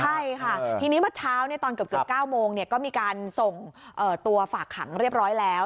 ใช่ค่ะทีนี้เมื่อเช้าตอนเกือบ๙โมงก็มีการส่งตัวฝากขังเรียบร้อยแล้ว